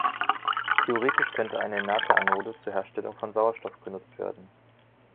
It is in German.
Theoretisch könnte eine inerte Anode zur Herstellung von Sauerstoff genutzt werden.